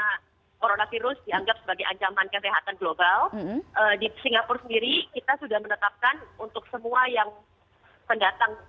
karena coronavirus dianggap sebagai ancaman kesehatan global di singapura sendiri kita sudah menetapkan untuk semua yang pendatang